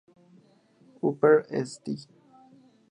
Upper St.